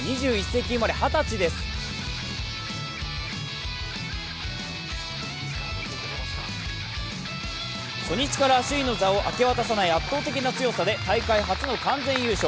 ２１世紀生まれ、二十歳です初日から首位の座を明け渡さない圧倒的な強さで大会初の完全優勝。